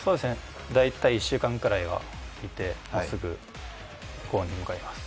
大体１週間ぐらいはいて、すぐ向かいます。